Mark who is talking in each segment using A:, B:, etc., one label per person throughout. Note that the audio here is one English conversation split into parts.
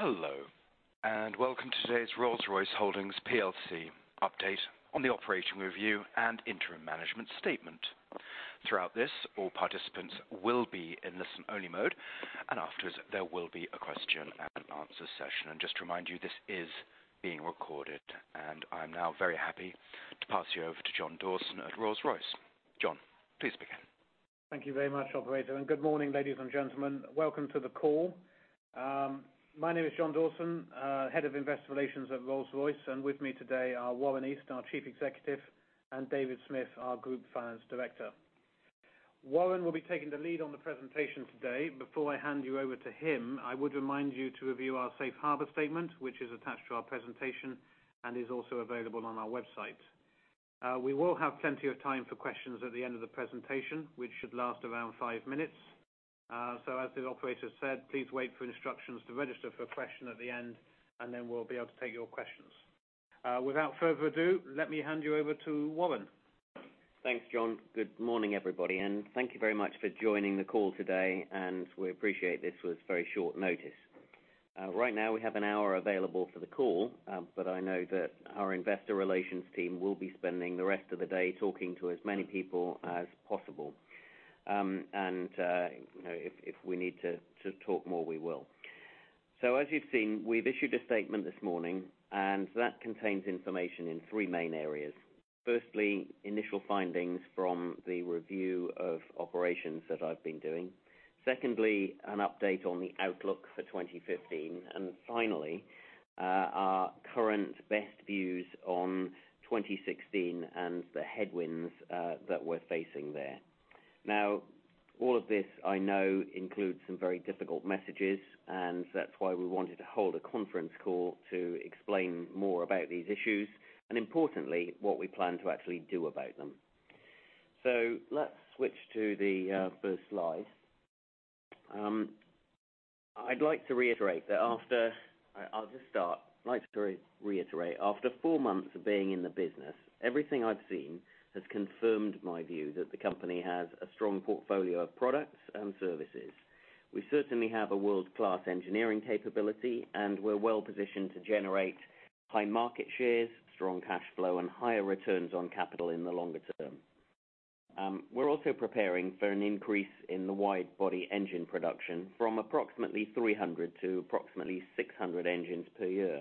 A: Hello. Welcome to today's Rolls-Royce Holdings plc update on the operating review and interim management statement. Throughout this, all participants will be in listen-only mode. Afterwards there will be a question and answer session. Just to remind you, this is being recorded. I'm now very happy to pass you over to John Dawson at Rolls-Royce. John, please begin.
B: Thank you very much, operator. Good morning, ladies and gentlemen. Welcome to the call. My name is John Dawson, Head of Investor Relations at Rolls-Royce, and with me today are Warren East, our Chief Executive, and David Smith, our Group Finance Director. Warren will be taking the lead on the presentation today. Before I hand you over to him, I would remind you to review our safe harbor statement, which is attached to our presentation and is also available on our website. We will have plenty of time for questions at the end of the presentation, which should last around five minutes. As the operator said, please wait for instructions to register for a question at the end. Then we'll be able to take your questions. Without further ado, let me hand you over to Warren.
C: Thanks, John. Good morning, everybody. Thank you very much for joining the call today. We appreciate this was very short notice. Right now we have an hour available for the call. I know that our investor relations team will be spending the rest of the day talking to as many people as possible. If we need to talk more, we will. As you've seen, we've issued a statement this morning. That contains information in three main areas. Firstly, initial findings from the review of operations that I've been doing. Secondly, an update on the outlook for 2015. Finally, our current best views on 2016 and the headwinds that we're facing there. All of this, I know, includes some very difficult messages. That's why we wanted to hold a conference call to explain more about these issues, importantly, what we plan to actually do about them. Let's switch to the first slide. I'll just start. I'd like to reiterate, after four months of being in the business, everything I've seen has confirmed my view that the company has a strong portfolio of products and services. We certainly have a world-class engineering capability. We're well positioned to generate high market shares, strong cash flow, and higher returns on capital in the longer term. We're also preparing for an increase in the wide body engine production from approximately 300 to approximately 600 engines per year.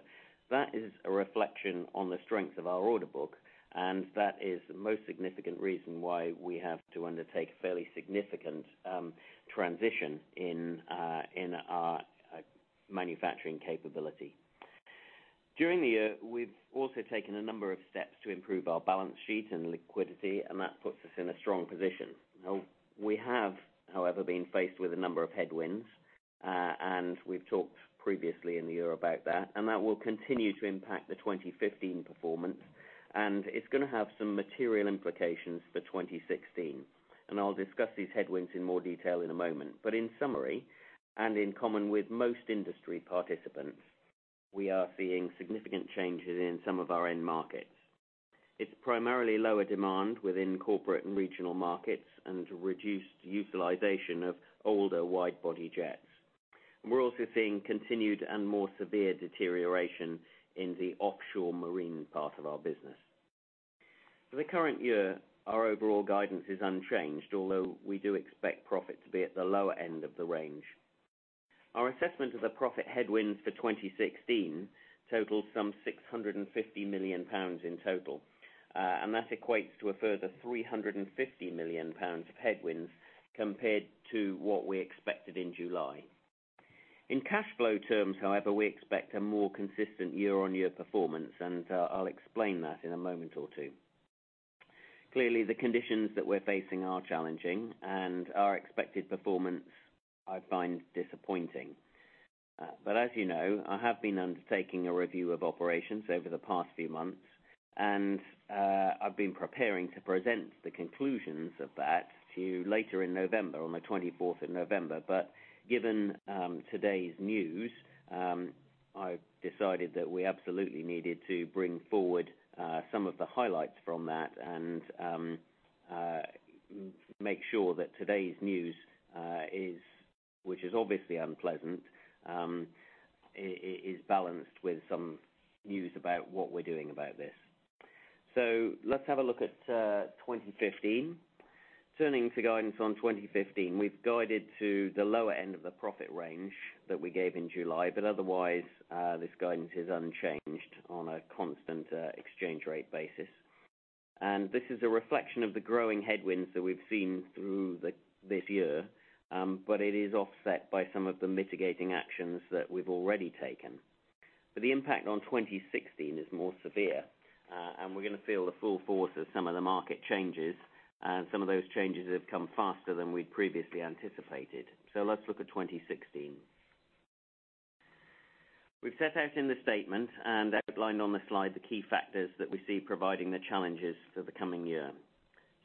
C: That is a reflection on the strength of our order book, That is the most significant reason why we have to undertake a fairly significant transition in our manufacturing capability. During the year, we've also taken a number of steps to improve our balance sheet and liquidity, That puts us in a strong position. We have, however, been faced with a number of headwinds, We've talked previously in the year about that, That will continue to impact the 2015 performance, It's going to have some material implications for 2016. I'll discuss these headwinds in more detail in a moment. In summary, and in common with most industry participants, we are seeing significant changes in some of our end markets. It's primarily lower demand within corporate and regional markets and reduced utilization of older wide-body jets. We're also seeing continued and more severe deterioration in the offshore marine part of our business. For the current year, our overall guidance is unchanged, although we do expect profit to be at the lower end of the range. Our assessment of the profit headwinds for 2016 totals some 650 million pounds in total. That equates to a further 350 million pounds of headwinds compared to what we expected in July. In cash flow terms, however, we expect a more consistent year-on-year performance, I'll explain that in a moment or two. Clearly, the conditions that we're facing are challenging, Our expected performance, I find disappointing. As you know, I have been undertaking a review of operations over the past few months, I've been preparing to present the conclusions of that to you later in November, on the 24th of November. Given today's news, I've decided that we absolutely needed to bring forward some of the highlights from that and make sure that today's news, which is obviously unpleasant, is balanced with some news about what we're doing about this. Let's have a look at 2015. Turning to guidance on 2015, we've guided to the lower end of the profit range that we gave in July, Otherwise, this guidance is unchanged on a constant exchange rate basis. This is a reflection of the growing headwinds that we've seen through this year, It is offset by some of the mitigating actions that we've already taken. The impact on 2016 is more severe, We're going to feel the full force of some of the market changes, Some of those changes have come faster than we'd previously anticipated. Let's look at 2016. We've set out in the statement Outlined on the slide the key factors that we see providing the challenges for the coming year.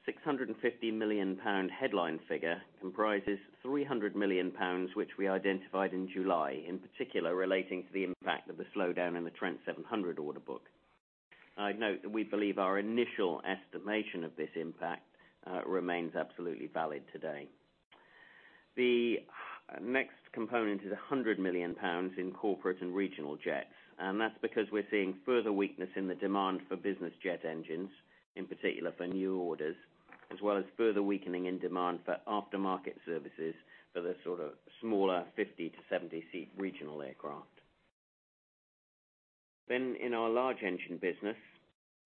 C: 650 million pound headline figure comprises 300 million pounds, which we identified in July, in particular relating to the impact of the slowdown in the Trent 700 order book. I note that we believe our initial estimation of this impact remains absolutely valid today. The next component is 100 million pounds in corporate and regional jets, That's because we're seeing further weakness in the demand for business jet engines, in particular for new orders, as well as further weakening in demand for aftermarket services for the sort of smaller 50 to 70-seat regional aircraft. In our large engine business,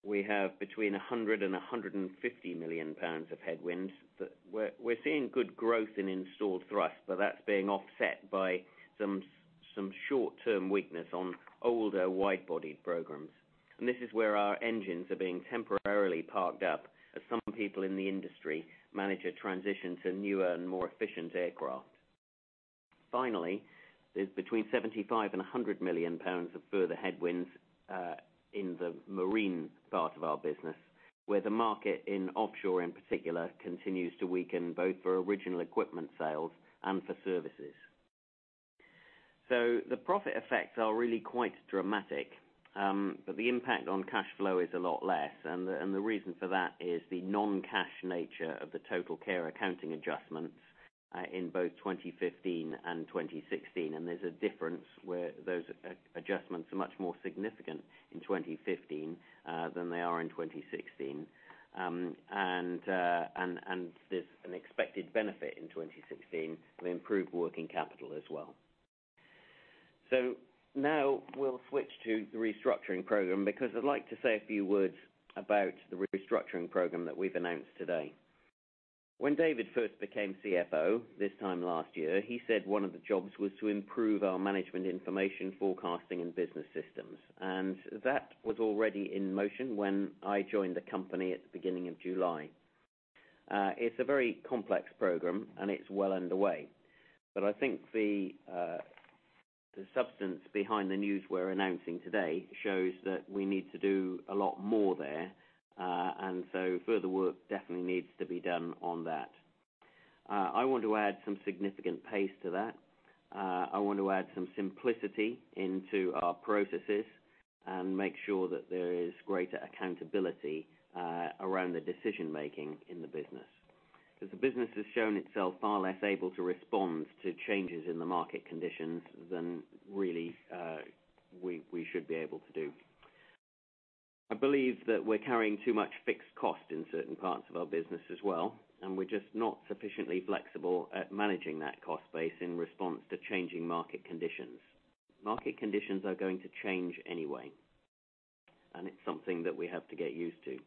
C: we have between 100 million and 150 million pounds of headwinds that we're seeing good growth in installed thrust. That's being offset by some short-term weakness on older wide-bodied programs. This is where our engines are being temporarily parked up as some people in the industry manage a transition to newer and more efficient aircraft. There's between 75 million and 100 million pounds of further headwinds in the marine part of our business, where the market in offshore in particular continues to weaken, both for original equipment sales and for services. The profit effects are really quite dramatic, but the impact on cash flow is a lot less. The reason for that is the non-cash nature of the TotalCare accounting adjustments in both 2015 and 2016. There's a difference where those adjustments are much more significant in 2015 than they are in 2016. There's an expected benefit in 2016 with improved working capital as well. We'll switch to the restructuring program because I'd like to say a few words about the restructuring program that we've announced today. When David first became CFO this time last year, he said one of the jobs was to improve our management information forecasting and business systems. That was already in motion when I joined the company at the beginning of July. It's a very complex program, and it's well underway, but I think the substance behind the news we're announcing today shows that we need to do a lot more there. Further work definitely needs to be done on that. I want to add some significant pace to that. I want to add some simplicity into our processes and make sure that there is greater accountability around the decision-making in the business, because the business has shown itself far less able to respond to changes in the market conditions than really we should be able to do. I believe that we're carrying too much fixed cost in certain parts of our business as well, and we're just not sufficiently flexible at managing that cost base in response to changing market conditions. Market conditions are going to change anyway, and it's something that we have to get used to.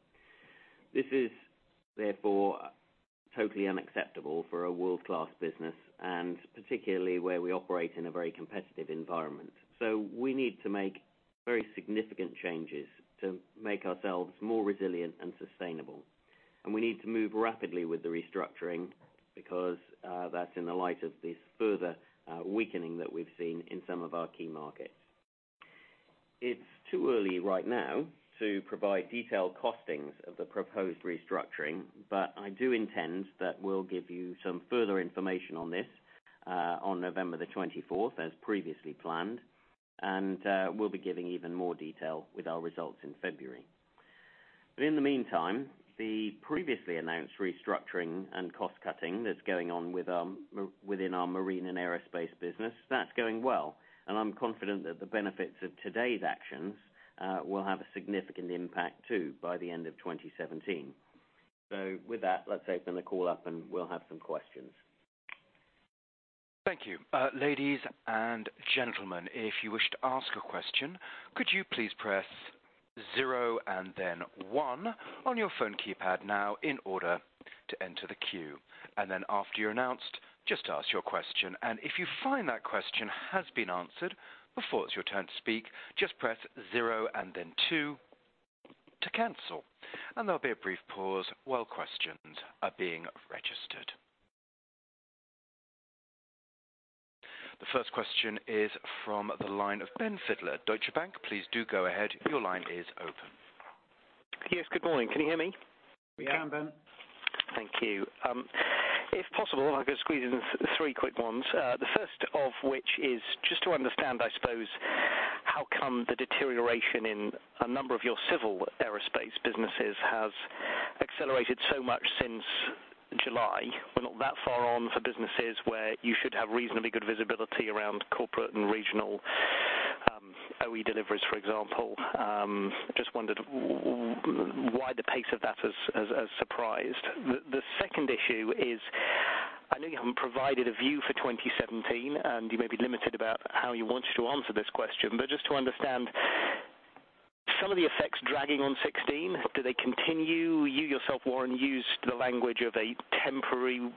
C: This is therefore totally unacceptable for a world-class business, and particularly where we operate in a very competitive environment. We need to make very significant changes to make ourselves more resilient and sustainable. We need to move rapidly with the restructuring because that's in the light of this further weakening that we've seen in some of our key markets. It's too early right now to provide detailed costings of the proposed restructuring, but I do intend that we'll give you some further information on this on November the 24th, as previously planned, and we'll be giving even more detail with our results in February. In the meantime, the previously announced restructuring and cost-cutting that's going on within our marine and aerospace business, that's going well, and I'm confident that the benefits of today's actions will have a significant impact, too, by the end of 2017. With that, let's open the call up and we'll have some questions.
A: Thank you. Ladies and gentlemen, if you wish to ask a question, could you please press zero and then one on your phone keypad now in order to enter the queue. After you're announced, just ask your question. If you find that question has been answered before it's your turn to speak, just press zero and then two to cancel. There'll be a brief pause while questions are being registered. The first question is from the line of Ben Fidler, Deutsche Bank. Please do go ahead. Your line is open.
D: Yes. Good morning. Can you hear me?
C: We can, Ben.
D: Thank you. If possible, I could squeeze in three quick ones. The first of which is just to understand, I suppose, how come the deterioration in a number of your civil aerospace businesses has accelerated so much since July? We're not that far on for businesses where you should have reasonably good visibility around corporate and regional OE deliveries, for example. Just wondered why the pace of that has surprised. The second issue is, I know you haven't provided a view for 2017, you may be limited about how you want to answer this question, but just to understand some of the effects dragging on 2016, do they continue? You yourself, Warren, used the language of a temporary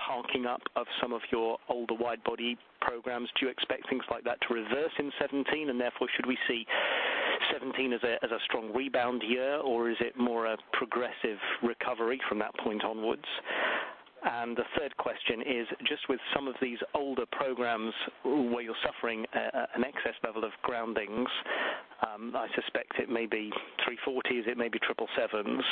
D: parking up of some of your older wide-body programs. Do you expect things like that to reverse in 2017? Therefore, should we see 2017 as a strong rebound year, or is it more a progressive recovery from that point onwards? The third question is just with some of these older programs where you're suffering an excess level of groundings, I suspect it may be A340s, it may be 777s.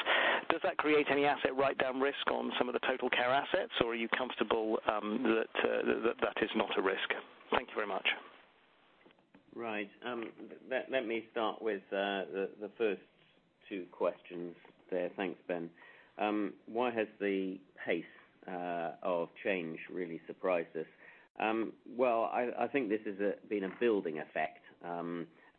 D: Does that create any asset write-down risk on some of the TotalCare assets, or are you comfortable that is not a risk? Thank you very much.
C: Right. Let me start with the first two questions there. Thanks, Ben. Why has the pace of change really surprised us? I think this has been a building effect,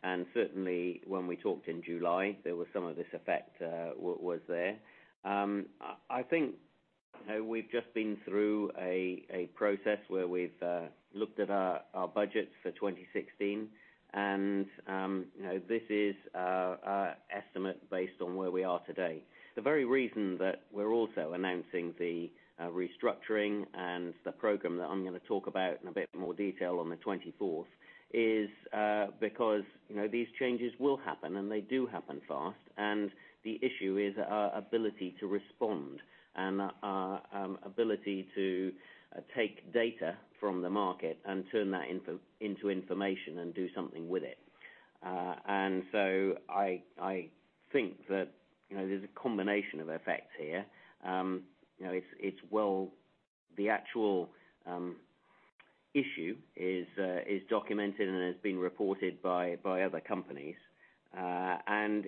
C: and certainly when we talked in July, there was some of this effect was there. I think we've just been through a process where we've looked at our budgets for 2016, and this is our estimate based on where we are today. The very reason that we're also announcing the restructuring and the program that I'm going to talk about in a bit more detail on the 24th is because these changes will happen and they do happen fast, and the issue is our ability to respond and our ability to take data from the market and turn that into information and do something with it. I think that there's a combination of effects here. The actual issue is documented and has been reported by other companies.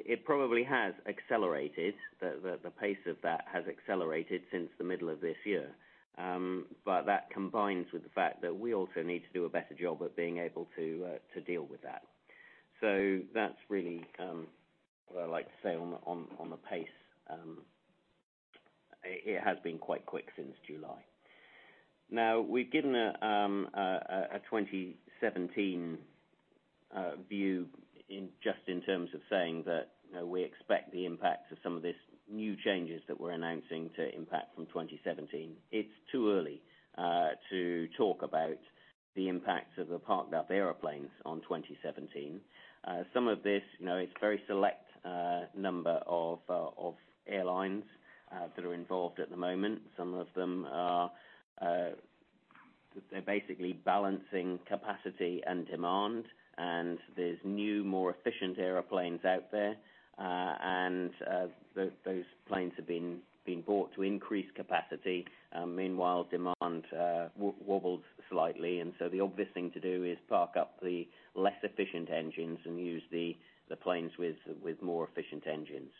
C: It probably has accelerated, the pace of that has accelerated since the middle of this year. That combines with the fact that we also need to do a better job at being able to deal with that. That's really what I'd like to say on the pace. It has been quite quick since July. We've given a 2017 view just in terms of saying that we expect the impact of some of these new changes that we're announcing to impact from 2017. It's too early to talk about the impacts of the parked up airplanes on 2017. Some of this, it's a very select number of airlines that are involved at the moment. Some of them are basically balancing capacity and demand, and there's new, more efficient airplanes out there. Those planes have been bought to increase capacity. Meanwhile, demand wobbles slightly, the obvious thing to do is park up the less efficient engines and use the planes with more efficient engines.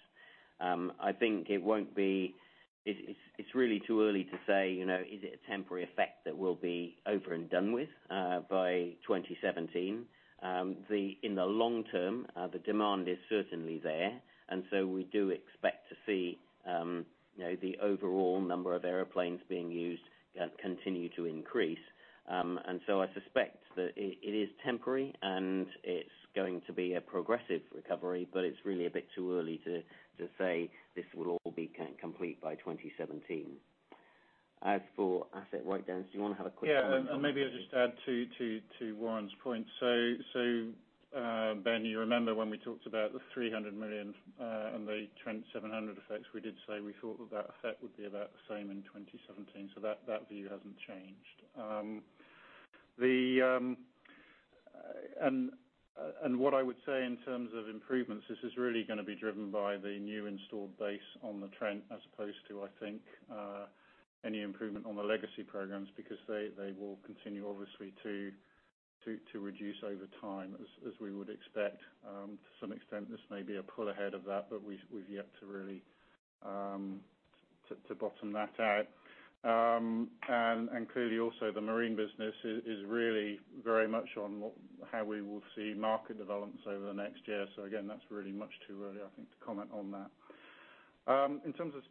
C: It's really too early to say, is it a temporary effect that will be over and done with by 2017? In the long term, the demand is certainly there, we do expect to see the overall number of airplanes being used continue to increase. I suspect that it is temporary and it's going to be a progressive recovery, but it's really a bit too early to say this will all be complete by 2017. As for asset write-downs, do you want to have a quick one?
E: Maybe I'll just add to Warren's point. Ben, you remember when we talked about the 300 million and the Trent 700 effects, we did say we thought that effect would be about the same in 2017. That view hasn't changed. What I would say in terms of improvements, this is really going to be driven by the new installed base on the Trent, as opposed to, I think, any improvement on the legacy programs, because they will continue, obviously, to reduce over time, as we would expect. To some extent, this may be a pull ahead of that, but we've yet to really bottom that out. Clearly also, the marine business is really very much on how we will see market developments over the next year. Again, that's really much too early, I think, to comment on that. In terms of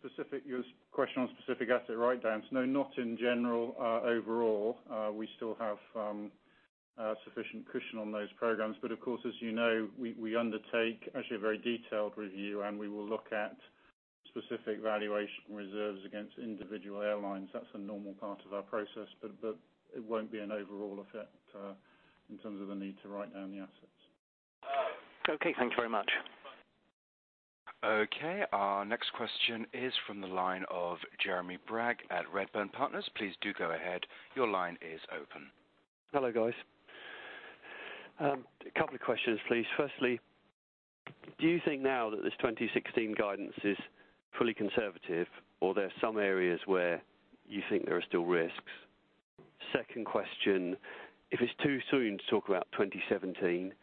E: your question on specific asset write-downs, no, not in general overall. We still have sufficient cushion on those programs. Of course, as you know, we undertake actually a very detailed review, and we will look at specific valuation reserves against individual airlines. That's a normal part of our process, but it won't be an overall effect in terms of the need to write down the assets.
C: Okay, thank you very much.
A: Okay, our next question is from the line of Jeremy Bragg at Redburn Partners. Please do go ahead. Your line is open.
F: Hello, guys. A couple of questions, please. Firstly, do you think now that this 2016 guidance is fully conservative, or there are some areas where you think there are still risks? Second question, if it's too soon to talk about 2017,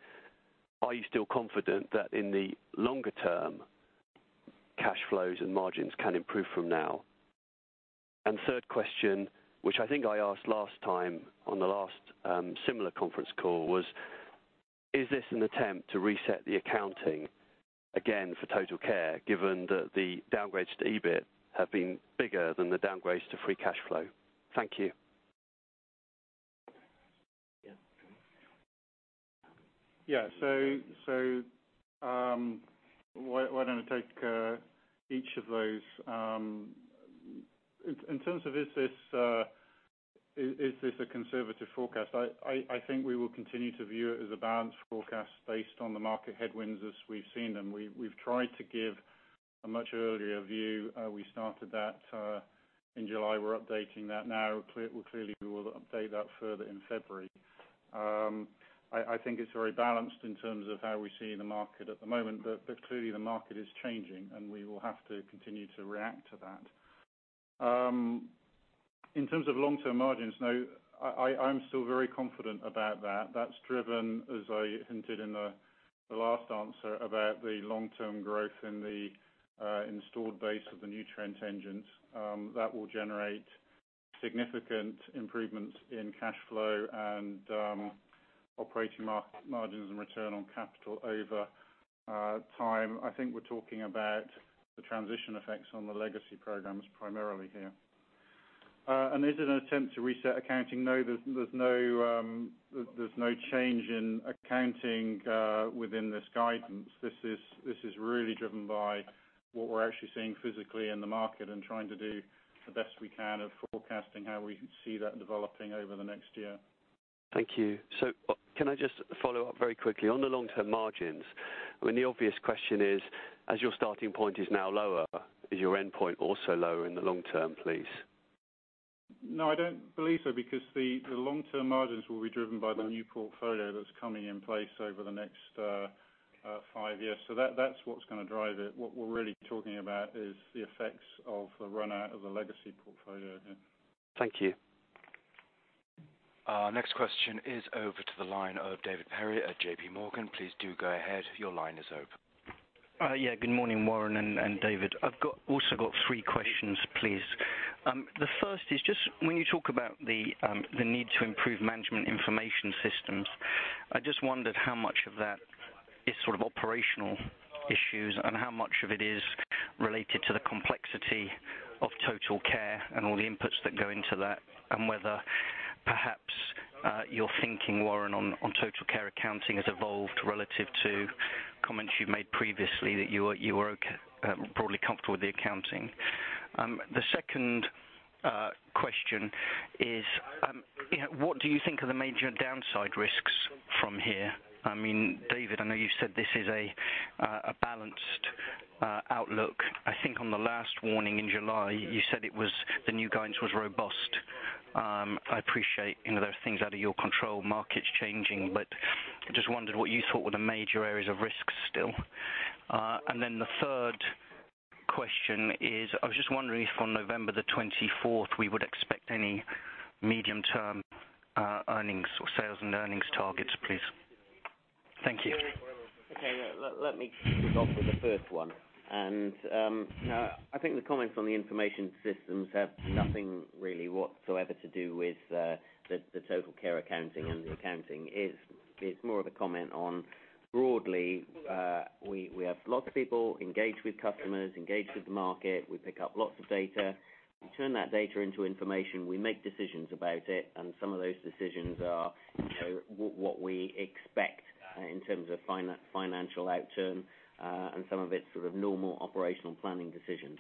F: are you still confident that in the longer term, cash flows and margins can improve from now? Third question, which I think I asked last time on the last similar conference call was, is this an attempt to reset the accounting again for TotalCare, given that the downgrades to EBIT have been bigger than the downgrades to free cash flow? Thank you.
E: Yeah. Why don't I take each of those? In terms of is this a conservative forecast, I think we will continue to view it as a balanced forecast based on the market headwinds as we've seen them. We've tried to give a much earlier view. We started that in July. We're updating that now. Clearly, we will update that further in February. I think it's very balanced in terms of how we see the market at the moment. Clearly, the market is changing, and we will have to continue to react to that. In terms of long-term margins, no, I'm still very confident about that. That's driven, as I hinted in the last answer, about the long-term growth in the installed base of the new Trent engines. That will generate significant improvements in cash flow and operating margins and return on capital over time. I think we're talking about the transition effects on the legacy programs primarily here. Is it an attempt to reset accounting? No. There's no change in accounting within this guidance. This is really driven by what we're actually seeing physically in the market and trying to do the best we can of forecasting how we see that developing over the next year.
F: Thank you. Can I just follow up very quickly. On the long-term margins, the obvious question is, as your starting point is now lower, is your endpoint also lower in the long term, please?
E: No, I don't believe so, because the long-term margins will be driven by the new portfolio that's coming in place over the next 5 years. That's what's going to drive it. What we're really talking about is the effects of the run out of the legacy portfolio here.
F: Thank you.
A: Our next question is over to the line of David Perry at JPMorgan. Please do go ahead. Your line is open.
G: Good morning, Warren and David. I've also got three questions, please. The first is just when you talk about the need to improve management information systems, I just wondered how much of that is operational issues and how much of it is related to the complexity of TotalCare and all the inputs that go into that, and whether perhaps your thinking, Warren, on TotalCare accounting has evolved relative to comments you made previously that you were broadly comfortable with the accounting. The second question is, what do you think are the major downside risks from here? David, I know you said this is a balanced outlook. I think on the last warning in July, you said the new guidance was robust. I appreciate there are things out of your control, markets changing, but I just wondered what you thought were the major areas of risk still. The third question is, I was just wondering if on November the 24th, we would expect any medium-term earnings or sales and earnings targets, please. Thank you.
C: Okay. Let me kick off with the first one. I think the comments on the information systems have nothing really whatsoever to do with the TotalCare accounting and the accounting. It's more of a comment on broadly, we have lots of people engaged with customers, engaged with the market. We pick up lots of data. We turn that data into information. We make decisions about it, and some of those decisions are what we expect in terms of financial outturn, and some of it's normal operational planning decisions.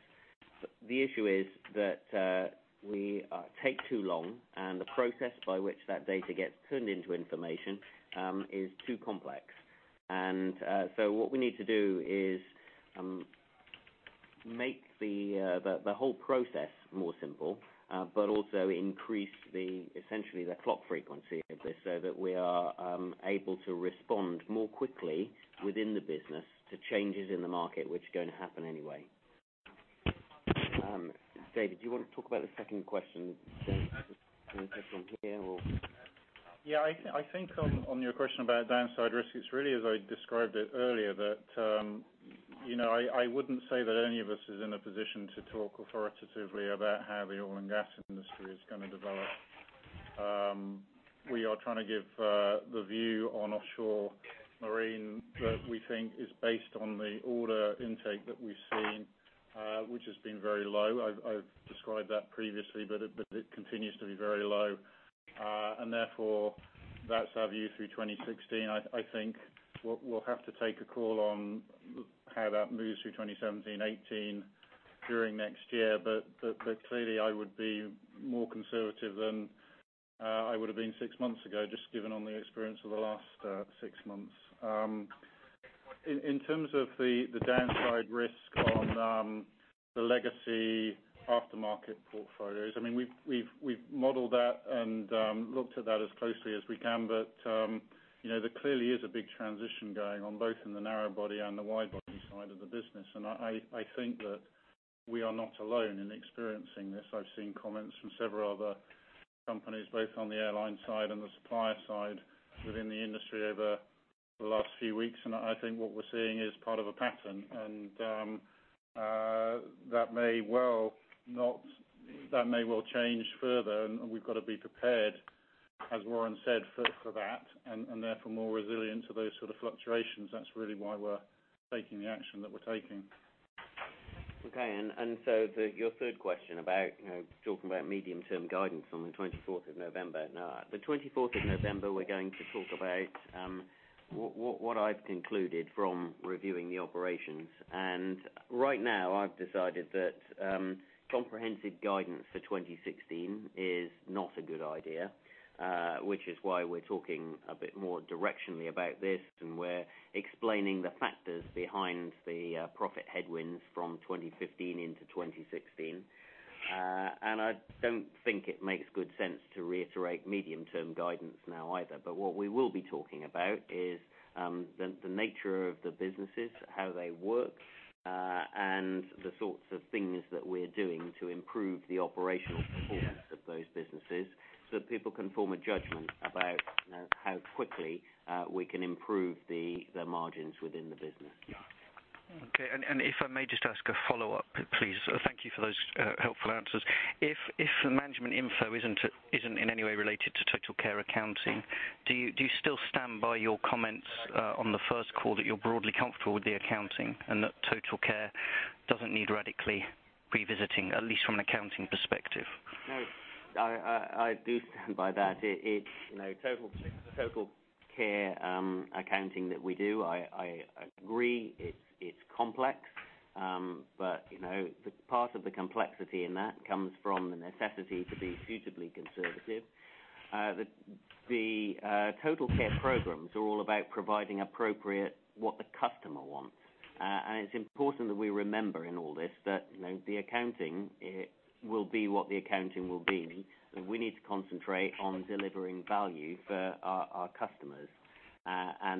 C: The issue is that we take too long, and the process by which that data gets turned into information is too complex. What we need to do is make the whole process more simple, but also increase essentially the clock frequency of this so that we are able to respond more quickly within the business to changes in the market, which are going to happen anyway. David, do you want to talk about the second question from here or?
E: Yeah, I think on your question about downside risks, it's really as I described it earlier, that I wouldn't say that any of us is in a position to talk authoritatively about how the oil and gas industry is going to develop. We are trying to give the view on offshore marine that we think is based on the order intake that we've seen, which has been very low. I've described that previously, but it continues to be very low. Therefore, that's our view through 2016. I think we'll have to take a call on how that moves through 2017, 2018 during next year. Clearly, I would be more conservative than I would have been six months ago, just given on the experience of the last six months. In terms of the downside risk on the legacy aftermarket portfolios, we've modeled that and looked at that as closely as we can. There clearly is a big transition going on both in the narrow body and the wide body side of the business. I think that we are not alone in experiencing this. I've seen comments from several other companies, both on the airline side and the supplier side within the industry over the last few weeks. I think what we're seeing is part of a pattern, and that may well change further, and we've got to be prepared, as Warren said, for that and therefore more resilient to those sort of fluctuations. That's really why we're taking the action that we're taking.
C: Okay. Your third question about talking about medium-term guidance on the 24th of November. No, the 24th of November, we're going to talk about what I've concluded from reviewing the operations. Right now, I've decided that comprehensive guidance for 2016 is not a good idea, which is why we're talking a bit more directionally about this, and we're explaining the factors behind the profit headwinds from 2015 into 2016. I don't think it makes good sense to reiterate medium-term guidance now either. What we will be talking about is the nature of the businesses, how they work
E: The sorts of things that we're doing to improve the operational performance of those businesses so that people can form a judgment about how quickly we can improve the margins within the business.
G: Okay. If I may just ask a follow-up, please. Thank you for those helpful answers. If the management info isn't in any way related to TotalCare accounting, do you still stand by your comments on the first call that you're broadly comfortable with the accounting and that TotalCare doesn't need radically revisiting, at least from an accounting perspective?
E: No, I do stand by that. TotalCare accounting that we do, I agree it's complex. Part of the complexity in that comes from the necessity to be suitably conservative. The TotalCare programs are all about providing appropriate what the customer wants. It's important that we remember in all this that the accounting will be what the accounting will be, and we need to concentrate on delivering value for our customers.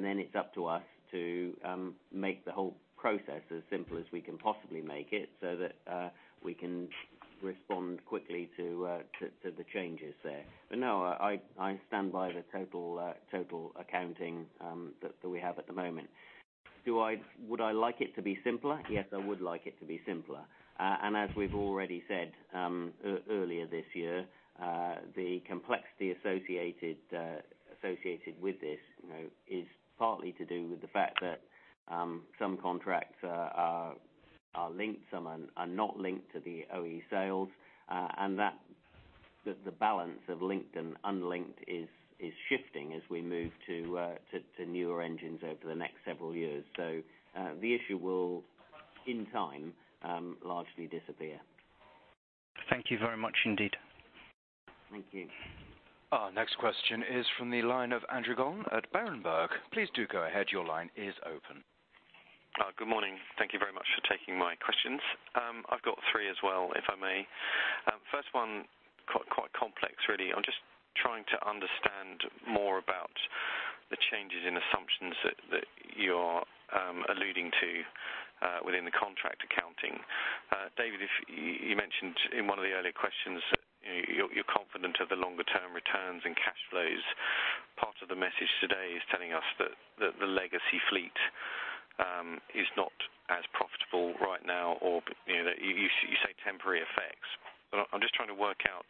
E: Then it's up to us to make the whole process as simple as we can possibly make it so that we can respond quickly to the changes there. No, I stand by the TotalCare accounting that we have at the moment. Would I like it to be simpler? Yes, I would like it to be simpler. As we've already said earlier this year, the complexity associated with this is partly to do with the fact that some contracts are linked, some are not linked to the OE sales, and that the balance of linked and unlinked is shifting as we move to newer engines over the next several years. The issue will, in time, largely disappear.
G: Thank you very much indeed.
E: Thank you.
A: Our next question is from the line of Andrew Gollan at Berenberg. Please do go ahead. Your line is open.
H: Good morning. Thank you very much for taking my questions. I have got three as well, if I may. First one, quite complex really. I am just trying to understand more about the changes in assumptions that you are alluding to within the contract accounting. David, you mentioned in one of the earlier questions that you are confident of the longer-term returns and cash flows. Part of the message today is telling us that the legacy fleet is not as profitable right now, or you say temporary effects. I am just trying to work out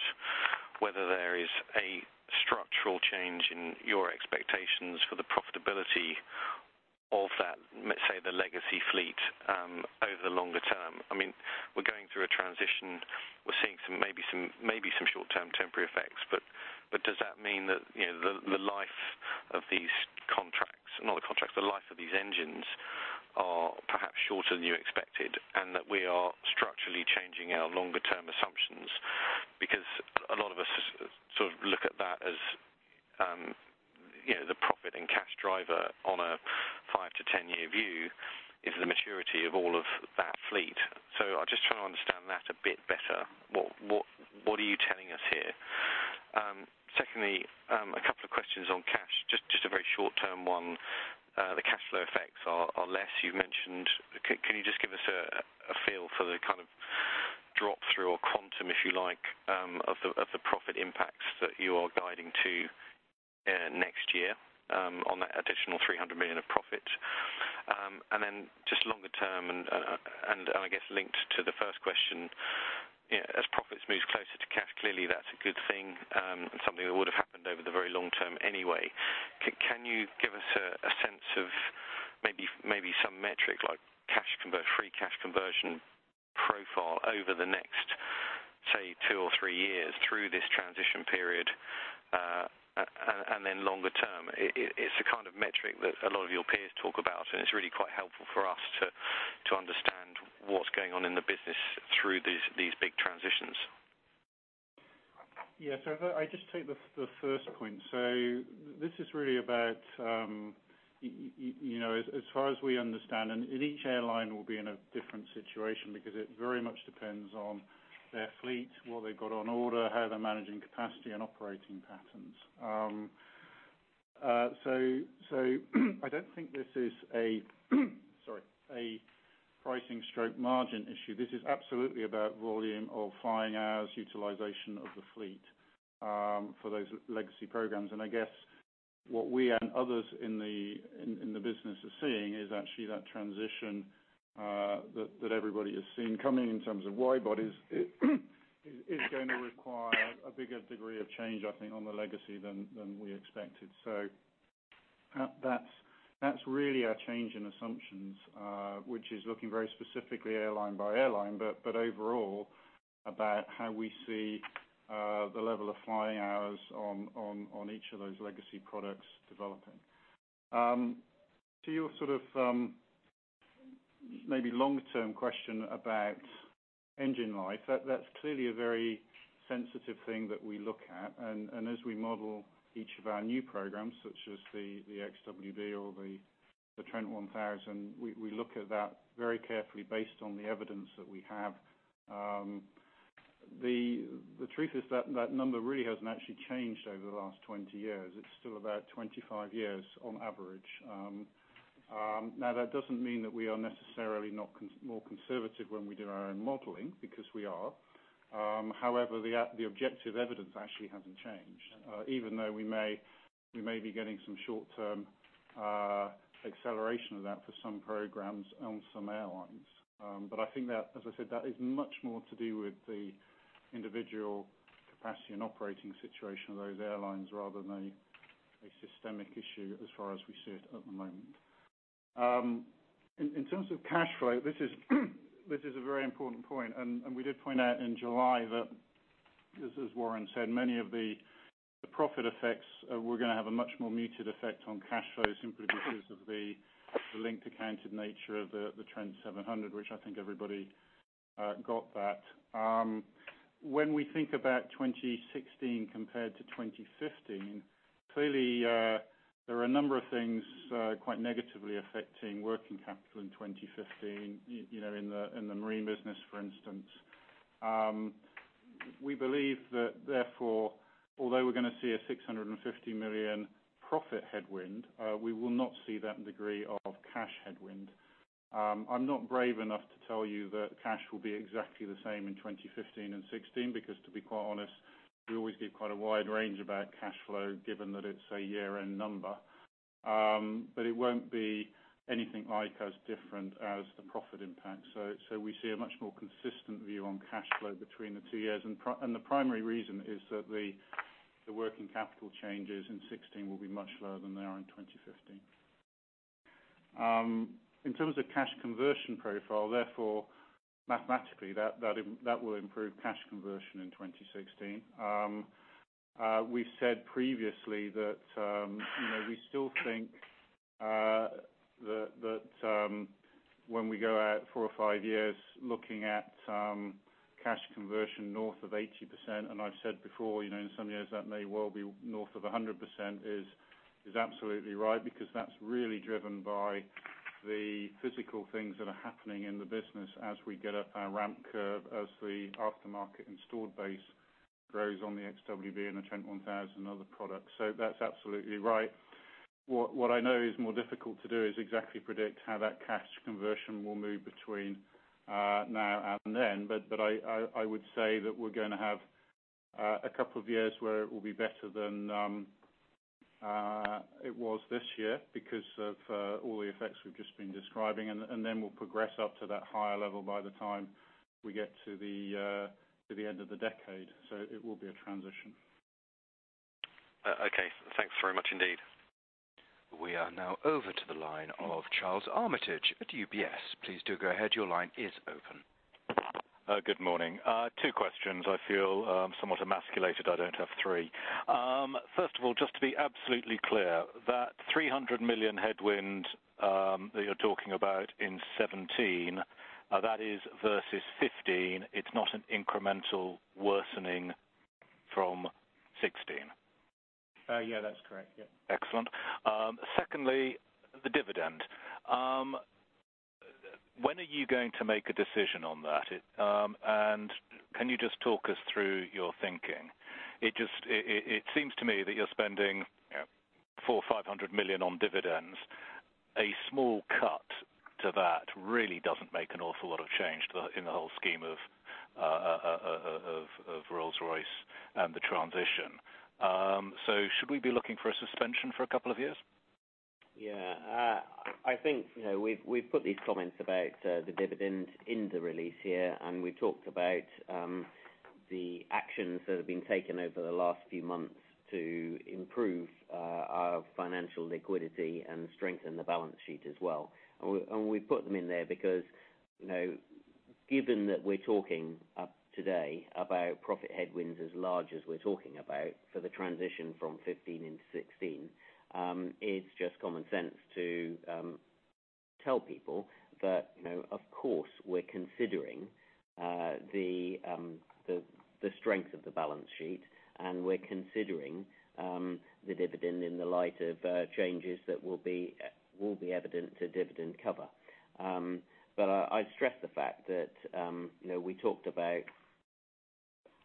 H: whether there is a structural change in your expectations for the profitability of that, let us say the legacy fleet, over the longer term. We are going through a transition. We are seeing maybe some short-term temporary effects. Does that mean that the life of these contracts, not the contracts, the life of these engines are perhaps shorter than you expected, and that we are structurally changing our longer-term assumptions? A lot of us sort of look at that as the profit and cash driver on a five to 10-year view is the maturity of all of that fleet. I am just trying to understand that a bit better. What are you telling us here? Secondly, a couple of questions on cash, just a very short-term one. The cash flow effects are less, you mentioned. Can you just give us a feel for the kind of drop-through or quantum, if you like, of the profit impacts that you are guiding to next year on that additional 300 million of profit? Just longer term, I guess linked to the first question, as profits move closer to cash, clearly that is a good thing and something that would have happened over the very long term anyway. Can you give us a sense of maybe some metric like free cash conversion profile over the next, say, two or three years through this transition period, and then longer term? It is the kind of metric that a lot of your peers talk about, and it is really quite helpful for us to understand what is going on in the business through these big transitions.
E: I'll just take the first point. This is really about, as far as we understand, and each airline will be in a different situation because it very much depends on their fleet, what they've got on order, how they're managing capacity and operating patterns. I don't think this is a sorry, a pricing/margin issue. This is absolutely about volume of flying hours, utilization of the fleet for those legacy programs. And I guess what we and others in the business are seeing is actually that transition that everybody has seen coming in terms of wide-bodies, is going to require a bigger degree of change, I think, on the legacy than we expected. That's really our change in assumptions, which is looking very specifically airline by airline, but overall about how we see the level of flying hours on each of those legacy products developing. To your sort of maybe longer-term question about engine life, that's clearly a very sensitive thing that we look at. And as we model each of our new programs, such as the XWB or the Trent 1000, we look at that very carefully based on the evidence that we have. The truth is that number really hasn't actually changed over the last 20 years. It's still about 25 years on average. Now, that doesn't mean that we are necessarily not more conservative when we do our own modeling, because we are. However, the objective evidence actually hasn't changed, even though we may be getting some short-term acceleration of that for some programs on some airlines. I think that, as I said, that is much more to do with the individual capacity and operating situation of those airlines rather than a systemic issue as far as we see it at the moment. In terms of cash flow, this is a very important point, and we did point out in July that, just as Warren said, many of the profit effects were going to have a much more muted effect on cash flow simply because of the linked accounted nature of the Trent 700, which I think everybody got that. When we think about 2016 compared to 2015, clearly, there are a number of things quite negatively affecting working capital in 2015, in the marine business, for instance. We believe that therefore, although we're going to see a 650 million profit headwind, we will not see that degree of cash headwind. It won't be anything like as different as the profit impact. We see a much more consistent view on cash flow between the two years, and the primary reason is that the working capital changes in 2016 will be much lower than they are in 2015. In terms of cash conversion profile, therefore, mathematically, that will improve cash conversion in 2016. We said previously that we still think that when we go out four or five years, looking at cash conversion north of 80%, and I've said before, in some years that may well be north of 100% is absolutely right, because that's really driven by the physical things that are happening in the business as we get up our ramp curve, as the aftermarket installed base grows on the XWB and the Trent 1000 other products. That's absolutely right. What I know is more difficult to do is exactly predict how that cash conversion will move between now and then. I would say that we're going to have a couple of years where it will be better than it was this year because of all the effects we've just been describing, and then we'll progress up to that higher level by the time we get to the end of the decade. It will be a transition.
H: Okay, thanks very much indeed.
A: We are now over to the line of Charles Armitage at UBS. Please do go ahead. Your line is open.
I: Good morning. Two questions. I feel somewhat emasculated I don't have three. First of all, just to be absolutely clear, that 300 million headwind that you're talking about in 2017, that is versus 2015. It's not an incremental worsening from 2016.
E: Yeah, that's correct. Yep.
I: Excellent. Secondly, the dividend. When are you going to make a decision on that? Can you just talk us through your thinking? It seems to me that you're spending 400 million or 500 million on dividends. A small cut to that really doesn't make an awful lot of change in the whole scheme of Rolls-Royce and the transition. Should we be looking for a suspension for a couple of years?
C: Yeah. I think we've put these comments about the dividend in the release here, and we talked about the actions that have been taken over the last few months to improve our financial liquidity and strengthen the balance sheet as well. We put them in there because, given that we're talking today about profit headwinds as large as we're talking about for the transition from 2015 into 2016, it's just common sense to tell people that of course, we're considering the strength of the balance sheet, and we're considering the dividend in the light of changes that will be evident to dividend cover. I stress the fact that we talked about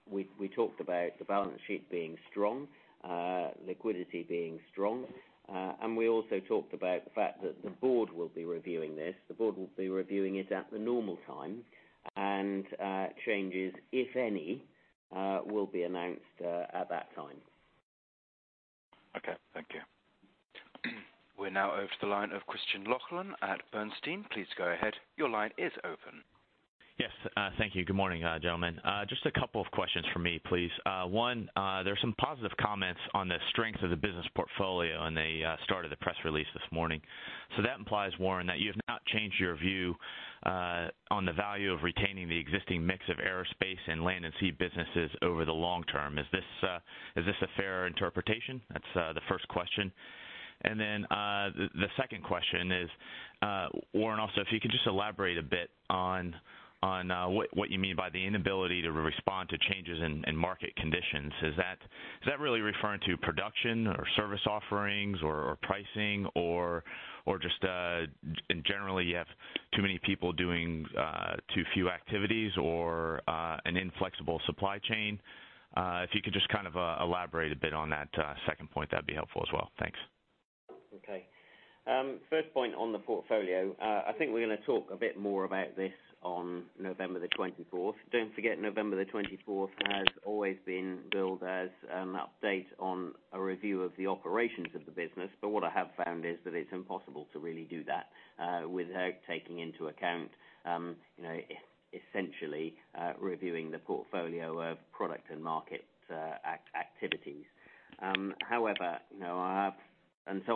C: the balance sheet being strong, liquidity being strong, and we also talked about the fact that the board will be reviewing this. The board will be reviewing it at the normal time. Changes, if any, will be announced at that time.
I: Okay, thank you.
A: We're now over to the line of Christian Laughlin at Bernstein. Please go ahead. Your line is open.
J: Yes. Thank you. Good morning, gentlemen. Just a couple of questions for me, please. One, there's some positive comments on the strength of the business portfolio on the start of the press release this morning. That implies, Warren, that you have now changed your view on the value of retaining the existing mix of aerospace and land and sea businesses over the long term. Is this a fair interpretation? That's the first question. The second question is, Warren, also, if you could just elaborate a bit on what you mean by the inability to respond to changes in market conditions. Is that really referring to production or service offerings or pricing, or just in general, you have too many people doing too few activities or an inflexible supply chain? If you could just elaborate a bit on that second point, that'd be helpful as well. Thanks.
C: Okay. First point on the portfolio, I think we're going to talk a bit more about this on November the 24th. Don't forget, November the 24th has always been billed as an update on a review of the operations of the business. What I have found is that it's impossible to really do that without taking into account, essentially, reviewing the portfolio of product and market activities. I'll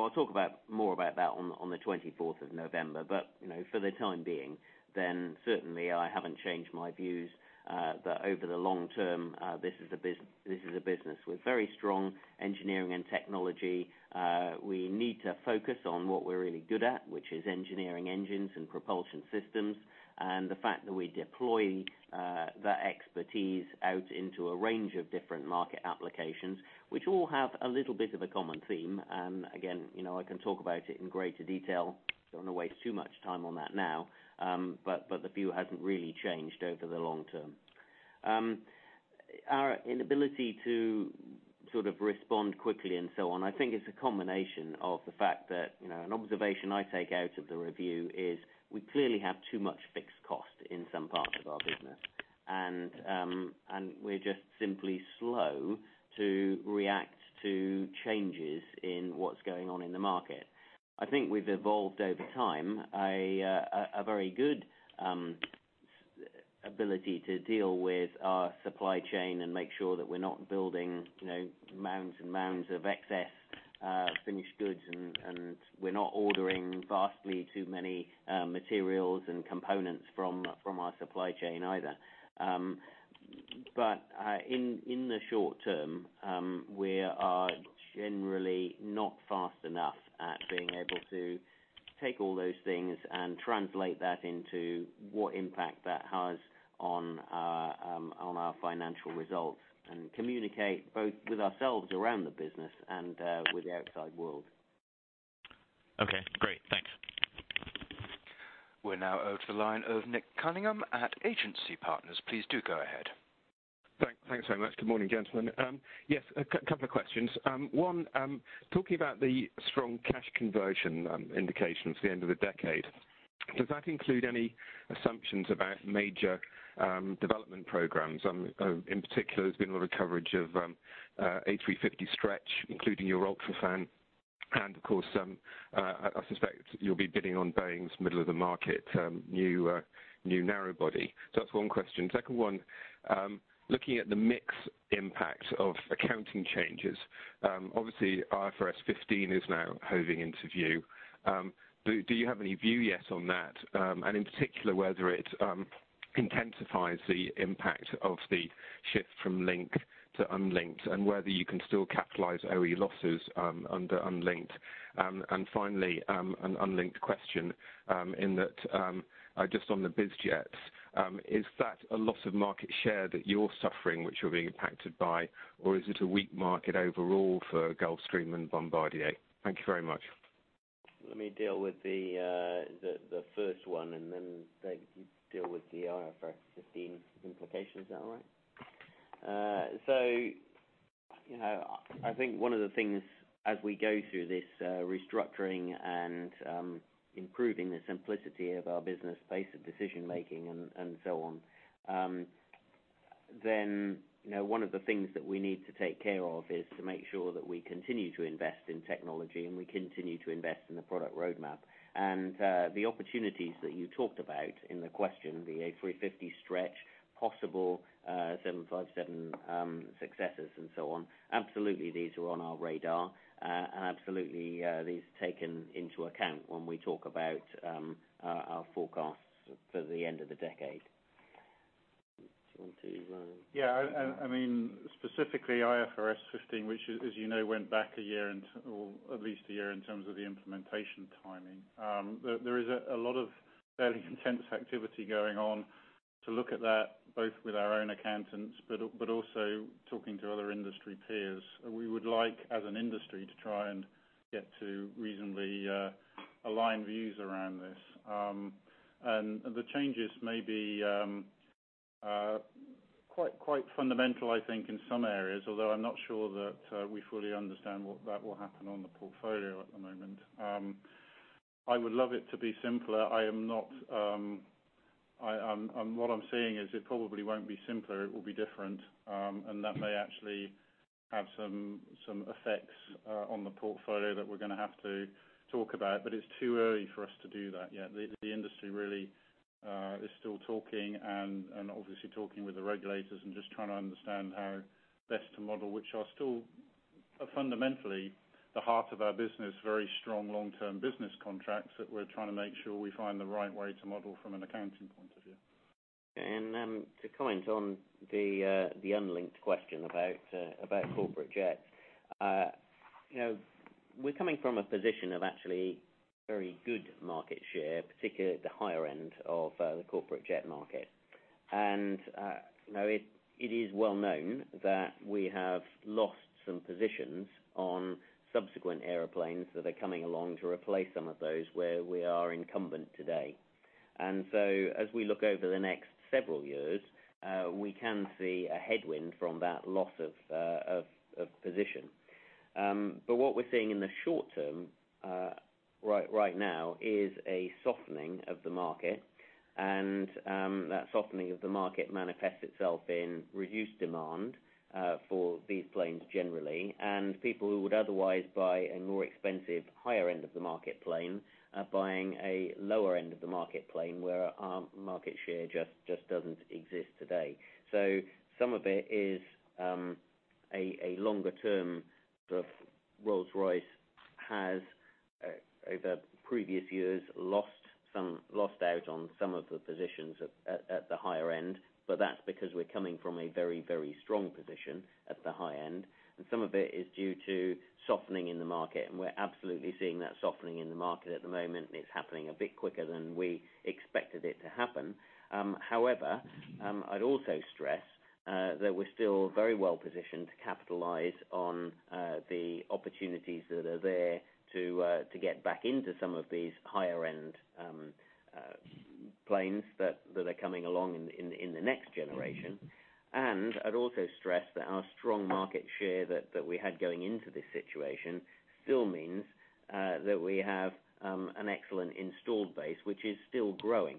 C: talk more about that on the 24th of November, but for the time being, then certainly I haven't changed my views, that over the long term, this is a business with very strong engineering and technology. We need to focus on what we're really good at, which is engineering engines and propulsion systems, and the fact that we deploy that expertise out into a range of different market applications, which all have a little bit of a common theme. Again, I can talk about it in greater detail. Don't want to waste too much time on that now, but the view hasn't really changed over the long term. Our inability to sort of respond quickly and so on, I think is a combination of the fact that, an observation I take out of the review is we clearly have too much fixed cost in some parts of our business. We're just simply slow to react to changes in what's going on in the market. I think we've evolved over time a very good ability to deal with our supply chain and make sure that we're not building mounds and mounds of excess finished goods, and we're not ordering vastly too many materials and components from our supply chain either. In the short term, we are generally not fast enough at being able to take all those things and translate that into what impact that has on our financial results and communicate both with ourselves around the business and with the outside world.
J: Okay, great. Thanks.
A: We're now over to the line of Nick Cunningham at Agency Partners. Please do go ahead.
K: Thanks very much. Good morning, gentlemen. Yes, a couple of questions. One, talking about the strong cash conversion indications at the end of the decade, does that include any assumptions about major development programs? In particular, there's been a lot of coverage of A350 stretch, including your UltraFan, and, of course, I suspect you'll be bidding on Boeing's middle of the market new narrow body. That's one question. Second one, looking at the mix impact of accounting changes. Obviously IFRS 15 is now hoving into view. Do you have any view yet on that? In particular, whether it intensifies the impact of the shift from linked to unlinked, and whether you can still capitalize OE losses under unlinked. Finally, an unlinked question, in that just on the biz jets, is that a loss of market share that you're suffering, which you're being impacted by? Is it a weak market overall for Gulfstream and Bombardier? Thank you very much.
C: Let me deal with the first one and then, Dave, you deal with the IFRS 15 implications. Is that all right? I think one of the things as we go through this restructuring and improving the simplicity of our business pace of decision making and so on, one of the things that we need to take care of is to make sure that we continue to invest in technology, and we continue to invest in the product roadmap. The opportunities that you talked about in the question, the A350 stretch possible 757 successors and so on, absolutely these are on our radar. Absolutely these are taken into account when we talk about our forecasts for the end of the decade. On to you, David.
E: Yeah. Specifically IFRS 15, which as you know, went back at least a year in terms of the implementation timing. There is a lot of fairly intense activity going on to look at that, both with our own accountants, but also talking to other industry peers. We would like, as an industry, to try and get to reasonably aligned views around this. The changes may be quite fundamental, I think, in some areas, although I'm not sure that we fully understand what that will happen on the portfolio at the moment. I would love it to be simpler. What I'm seeing is it probably won't be simpler. It will be different. That may actually have some effects on the portfolio that we're going to have to talk about, but it's too early for us to do that yet. The industry really is still talking and obviously talking with the regulators and just trying to understand how best to model, which are still fundamentally the heart of our business. Very strong long-term business contracts that we're trying to make sure we find the right way to model from an accounting point of view.
C: To comment on the unlinked question about corporate jets. We're coming from a position of actually very good market share, particularly at the higher end of the corporate jet market. It is well known that we have lost some positions on subsequent airplanes that are coming along to replace some of those where we are incumbent today. As we look over the next several years, we can see a headwind from that loss of position. What we're seeing in the short term, right now, is a softening of the market. That softening of the market manifests itself in reduced demand for these planes generally, and people who would otherwise buy a more expensive, higher end of the market plane are buying a lower end of the market plane where our market share just doesn't exist today. Some of it is a longer-term, Rolls-Royce has, over previous years, lost out on some of the positions at the higher end. That's because we're coming from a very, very strong position at the high end. Some of it is due to softening in the market, and we're absolutely seeing that softening in the market at the moment, and it's happening a bit quicker than we expected it to happen. However, I'd also stress that we're still very well positioned to capitalize on the opportunities that are there to get back into some of these higher end planes that are coming along in the next generation. I'd also stress that our strong market share that we had going into this situation still means that we have an excellent installed base, which is still growing.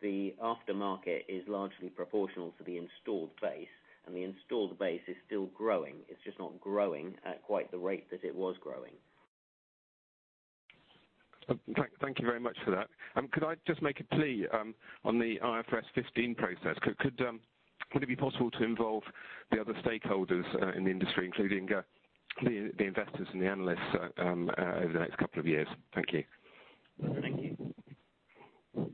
C: The aftermarket is largely proportional to the installed base, and the installed base is still growing. It's just not growing at quite the rate that it was growing.
K: Thank you very much for that. Could I just make a plea on the IFRS 15 process? Would it be possible to involve the other stakeholders in the industry, including the investors and the analysts, over the next couple of years? Thank you.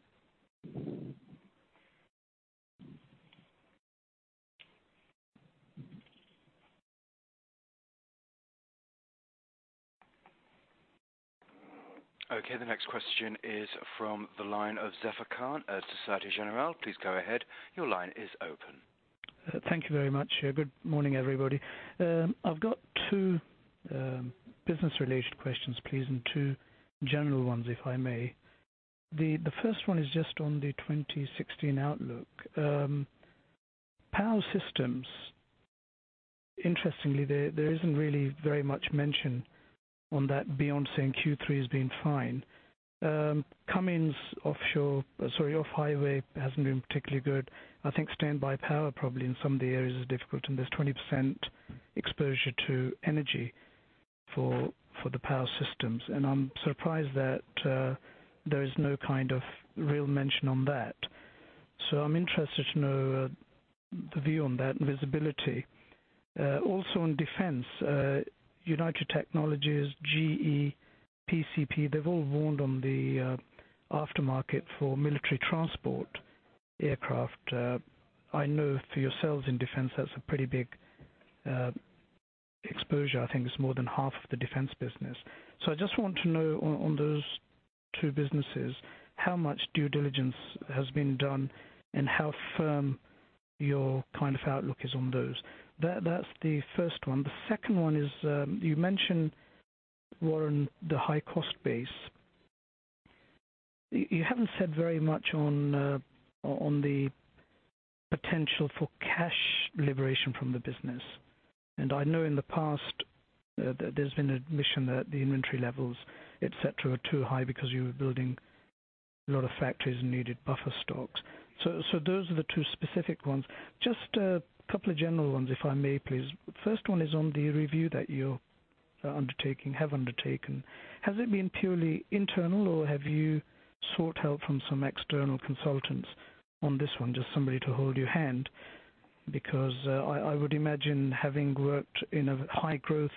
C: Thank you.
A: Okay. The next question is from the line of Zafar Khan at Societe Generale. Please go ahead. Your line is open.
L: Thank you very much. Good morning, everybody. I've got two business-related questions, please, and two general ones, if I may. The first one is just on the 2016 outlook. Power Systems, interestingly, there isn't really very much mention on that beyond saying Q3 has been fine. Cummins Off-Highway hasn't been particularly good. I think standby power probably in some of the areas is difficult, and there's 20% exposure to energy for the Power Systems. I'm surprised that there is no kind of real mention on that. I'm interested to know the view on that and visibility. Also on defense, United Technologies, GE, PCP, they've all warned on the aftermarket for military transport aircraft. I know for yourselves in defense, that's a pretty big exposure. I think it's more than half of the defense business. I just want to know on those two businesses, how much due diligence has been done and how firm your kind of outlook is on those. That's the first one. The second one is, you mentioned, Warren, the high cost base. You haven't said very much on the potential for cash liberation from the business. I know in the past there's been admission that the inventory levels, et cetera, were too high because you were building a lot of factories and needed buffer stocks. Those are the two specific ones. Just a couple of general ones, if I may, please. First one is on the review that you're undertaking, have undertaken. Has it been purely internal, or have you sought help from some external consultants on this one? Just somebody to hold your hand, because I would imagine having worked in a high growth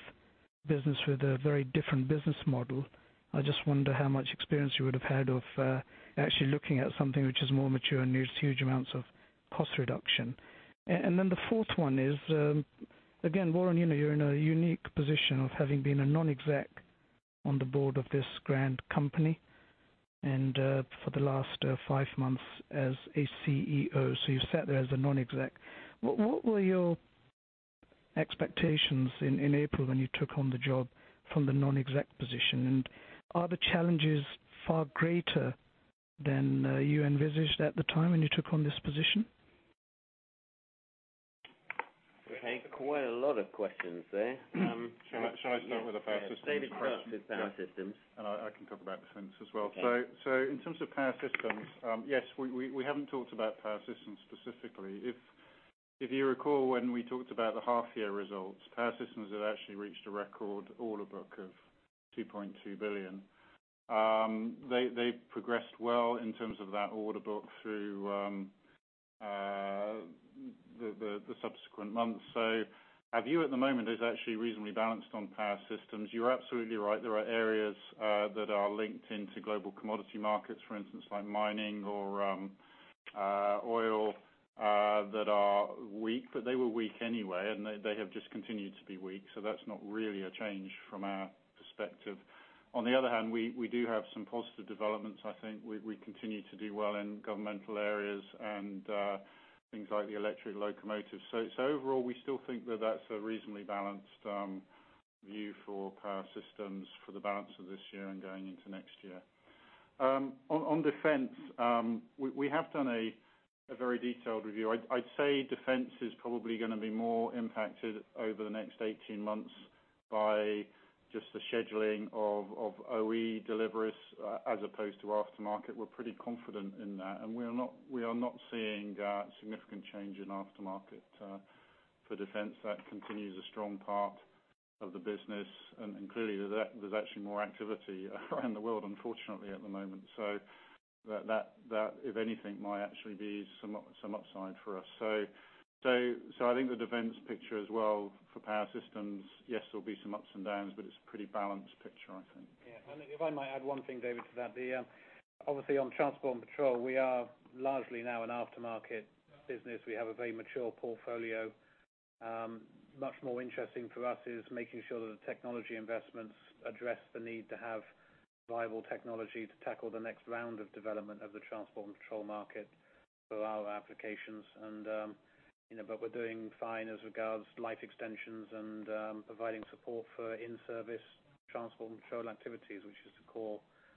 L: business with a very different business model, I just wonder how much experience you would have had of actually looking at something which is more mature and needs huge amounts of cost reduction. The fourth one is, again, Warren, you're in a unique position of having been a non-exec on the board of this grand company and for the last five months as a CEO. You sat there as a non-exec. What were your expectations in April when you took on the job from the non-exec position? Are the challenges far greater than you envisaged at the time when you took on this position?
C: We have quite a lot of questions there.
E: Shall I start with the Power Systems question?
C: David, start with Power Systems.
E: I can talk about defense as well.
C: Okay.
E: In terms of Power Systems, yes, we haven't talked about Power Systems specifically. If you recall, when we talked about the half year results, Power Systems had actually reached a record order book of 2.2 billion. They progressed well in terms of that order book through the subsequent months. Our view at the moment is actually reasonably balanced on Power Systems. You're absolutely right. There are areas that are linked into global commodity markets, for instance, like mining or oil that are weak, but they were weak anyway, and they have just continued to be weak. That's not really a change from our perspective. On the other hand, we do have some positive developments. I think we continue to do well in governmental areas and things like the electric locomotive. Overall, we still think that's a reasonably balanced view for Power Systems for the balance of this year and going into next year. On defense, we have done a very detailed review. I'd say defense is probably going to be more impacted over the next 18 months by just the scheduling of OE deliveries as opposed to aftermarket. We're pretty confident in that, and we are not seeing significant change in aftermarket for defense. That continues a strong part of the business. Clearly, there's actually more activity around the world, unfortunately, at the moment. That, if anything, might actually be some upside for us. I think the defense picture as well for Power Systems, yes, there'll be some ups and downs, but it's a pretty balanced picture, I think.
B: Yeah. If I might add one thing, David, to that. Obviously, on Transport and Patrol, we are largely now an aftermarket business. We have a very mature portfolio. Much more interesting for us is making sure that the technology investments address the need to have viable technology to tackle the next round of development of the Transport and Patrol market for our applications. We're doing fine as regards life extensions and providing support for in-service Transport and Patrol activities, which is the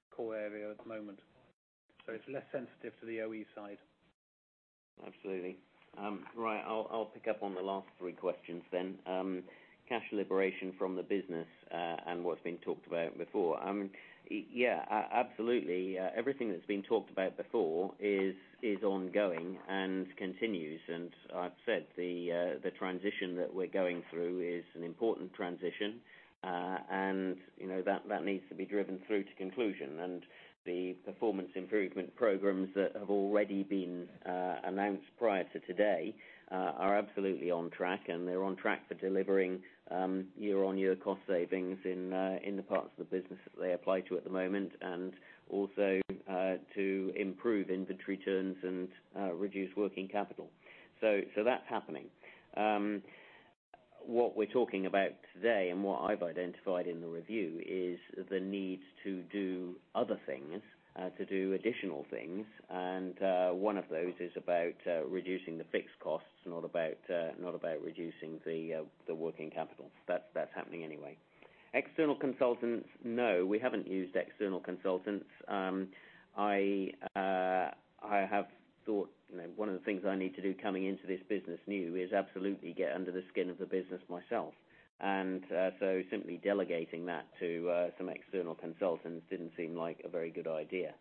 B: core area at the moment. It's less sensitive to the OE side.
C: Absolutely. Right. I'll pick up on the last three questions then. Cash liberation from the business and what's been talked about before. Yeah, absolutely. Everything that's been talked about before is ongoing and continues. I've said the transition that we're going through is an important transition, and that needs to be driven through to conclusion. The performance improvement programs that have already been announced prior to today are absolutely on track. They're on track for delivering year-on-year cost savings in the parts of the business that they apply to at the moment and also to improve inventory turns and reduce working capital. That's happening. What we're talking about today and what I've identified in the review is the need to do other things, to do additional things. One of those is about reducing the fixed costs, not about reducing the working capital. That's happening anyway. External consultants, no, we haven't used external consultants. I have thought one of the things I need to do coming into this business new is absolutely get under the skin of the business myself. Simply delegating that to some external consultants didn't seem like a very good idea.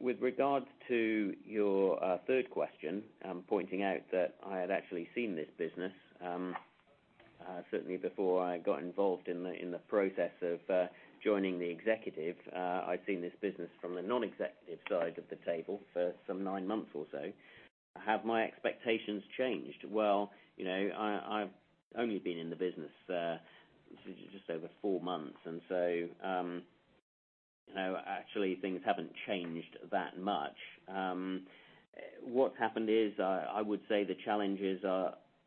C: With regards to your third question, pointing out that I had actually seen this business, certainly before I got involved in the process of joining the executive, I'd seen this business from the non-executive side of the table for some nine months or so. Have my expectations changed? Well, I've only been in the business just over four months, actually things haven't changed that much. What's happened is, I would say the challenges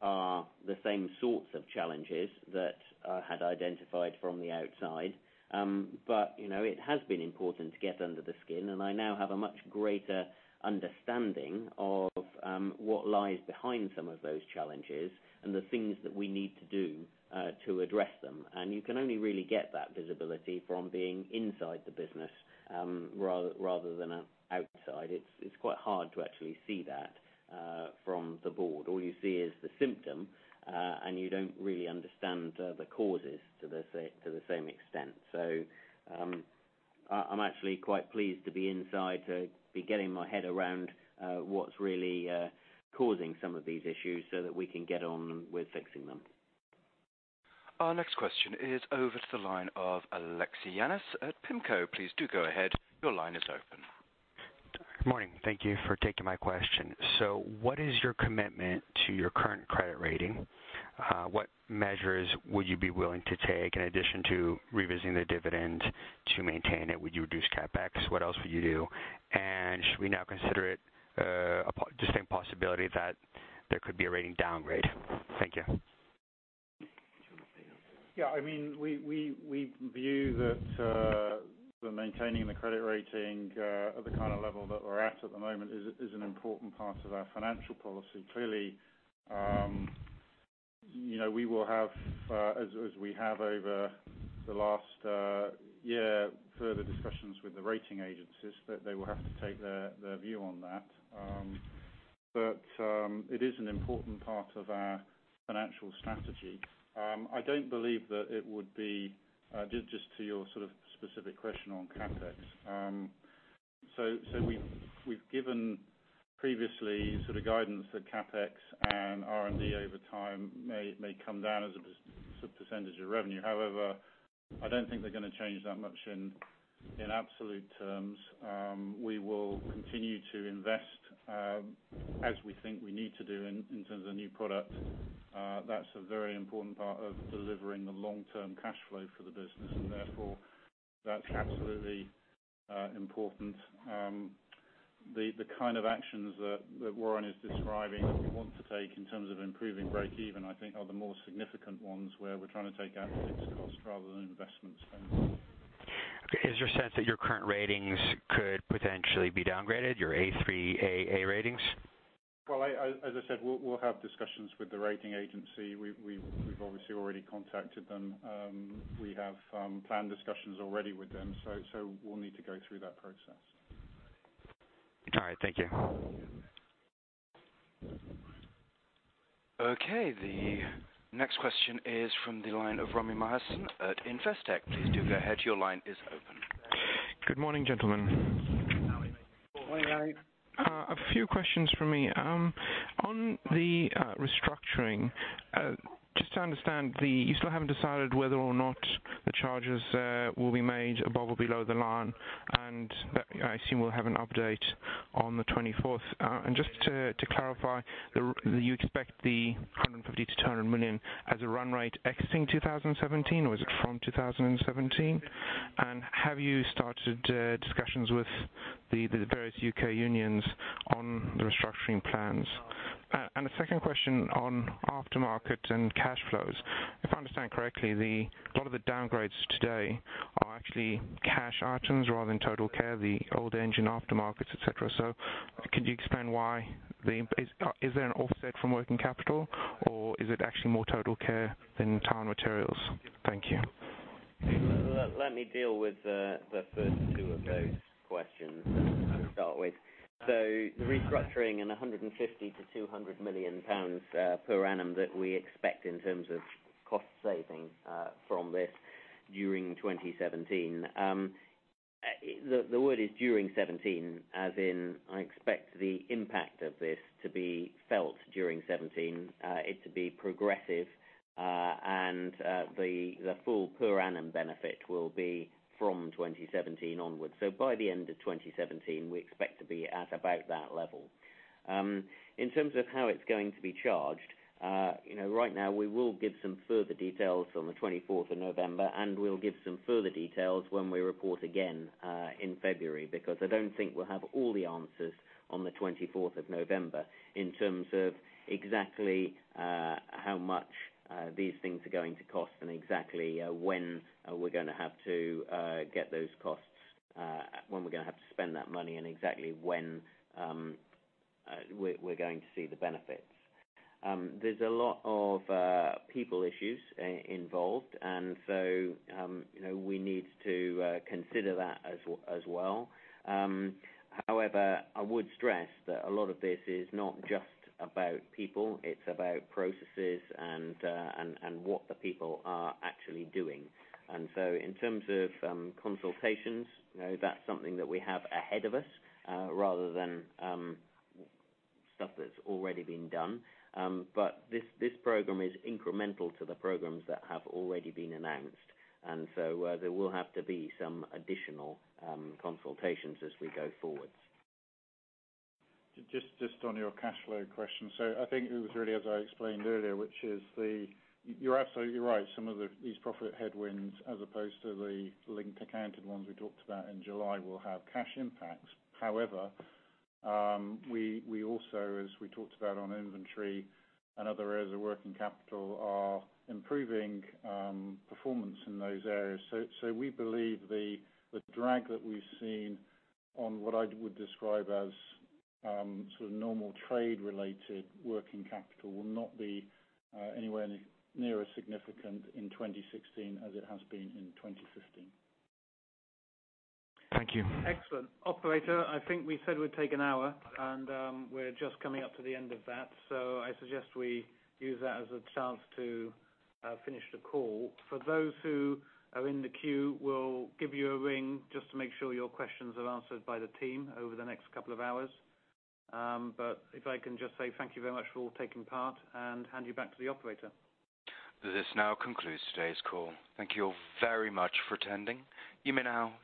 C: are the same sorts of challenges that I had identified from the outside. It has been important to get under the skin, and I now have a much greater understanding of what lies behind some of those challenges and the things that we need to do to address them. You can only really get that visibility from being inside the business rather than outside. It's quite hard to actually see that from the board. All you see is the symptom, and you don't really understand the causes to the same extent. I'm actually quite pleased to be inside to be getting my head around what's really causing some of these issues so that we can get on with fixing them.
A: Our next question is over to the line of Alexis Yanos at PIMCO. Please do go ahead. Your line is open.
M: Good morning. Thank you for taking my question. What is your commitment to your current credit rating? What measures would you be willing to take in addition to revisiting the dividend to maintain it? Would you reduce CapEx? What else would you do? Should we now consider it a distinct possibility that there could be a rating downgrade? Thank you.
E: We view that the maintaining the credit rating at the kind of level that we're at at the moment is an important part of our financial policy. Clearly, we will have, as we have over the last year, further discussions with the rating agencies that they will have to take their view on that. It is an important part of our financial strategy. I don't believe that it would be, just to your sort of specific question on CapEx. We've given previously sort of guidance that CapEx and R&D over time may come down as a percentage of revenue. However, I don't think they're going to change that much in absolute terms. We will continue to invest as we think we need to do in terms of new product. That's a very important part of delivering the long-term cash flow for the business. That's absolutely important. The kind of actions that Warren is describing that we want to take in terms of improving break-even, I think, are the more significant ones, where we're trying to take out fixed costs rather than investment spend.
M: Okay. Is there a sense that your current ratings could potentially be downgraded, your A3, AA ratings?
E: Well, as I said, we'll have discussions with the rating agency. We've obviously already contacted them. We have planned discussions already with them, we'll need to go through that process.
M: All right. Thank you.
A: Okay. The next question is from the line of Ramy Mahfouz at Investec. Please do go ahead. Your line is open.
N: Good morning, gentlemen.
E: Morning, Ramy.
N: A few questions from me. On the restructuring, just to understand, you still haven't decided whether or not the charges will be made above or below the line. I assume we'll have an update on the 24th. Just to clarify that you expect the 150 million-200 million as a run rate exiting 2017, or is it from 2017? Have you started discussions with the various U.K. unions on the restructuring plans? A second question on aftermarket and cash flows. If I understand correctly, a lot of the downgrades today are actually cash items rather than TotalCare, the old engine aftermarkets, et cetera. Could you explain why? Is there an offset from working capital, or is it actually more TotalCare than time and materials? Thank you.
C: Let me deal with the first two of those questions to start with. The restructuring and 150 million-200 million pounds per annum that we expect in terms of cost saving from this during 2017. The word is during 2017, as in, I expect the impact of this to be felt during 2017, it to be progressive, and the full per annum benefit will be from 2017 onwards. By the end of 2017, we expect to be at about that level. In terms of how it's going to be charged, right now, we will give some further details on the 24th of November, and we'll give some further details when we report again in February. I don't think we'll have all the answers on the 24th of November in terms of exactly how much these things are going to cost and exactly when we're going to have to get those costs, when we're going to have to spend that money, and exactly when we're going to see the benefits. There's a lot of people issues involved. We need to consider that as well. I would stress that a lot of this is not just about people, it's about processes and what the people are actually doing. In terms of consultations, that's something that we have ahead of us rather than stuff that's already been done. This program is incremental to the programs that have already been announced, and there will have to be some additional consultations as we go forward.
E: Just on your cash flow question. I think it was really as I explained earlier, which is you're absolutely right. Some of these profit headwinds, as opposed to the linked accounted ones we talked about in July, will have cash impacts. We also, as we talked about on inventory and other areas of working capital, are improving performance in those areas. We believe the drag that we've seen on what I would describe as normal trade-related working capital will not be anywhere near as significant in 2016 as it has been in 2015.
N: Thank you.
B: Excellent. Operator, I think we said we'd take an hour, and we're just coming up to the end of that, so I suggest we use that as a chance to finish the call. For those who are in the queue, we'll give you a ring just to make sure your questions are answered by the team over the next couple of hours. If I can just say thank you very much for taking part and hand you back to the operator.
A: This now concludes today's call. Thank you very much for attending. You may now disconnect.